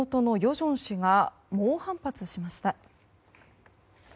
正氏が猛反発しました。